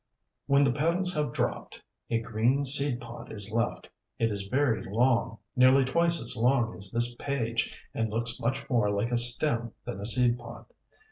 When the petals have dropped, a green seed pod is left. It is very long nearly twice as long as this page and looks much more like a stem than a seed pod.